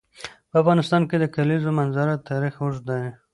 په افغانستان کې د د کلیزو منظره تاریخ اوږد دی.